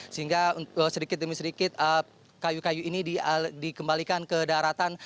sehingga sedikit demi sedikit kayu kayu ini dikembalikan ke daratan